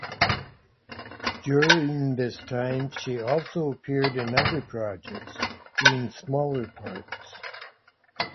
During this time she also appeared in other projects, doing smaller parts.